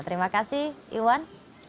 terima kasih iwan